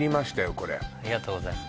これありがとうございます